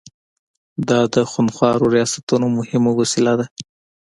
دا د خونخوارو ریاستونو مهمه وسیله ده.